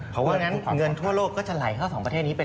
เพราะว่างั้นเงินทั่วโลกก็จะไหลเข้าสองประเทศนี้ไป